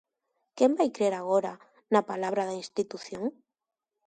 Quen vai crer agora na palabra da institución?